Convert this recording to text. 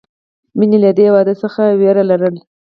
مینې له دې واده څخه وېره لرله